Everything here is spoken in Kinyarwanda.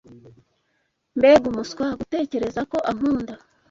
Mbega umuswa gutekereza ko ankunda!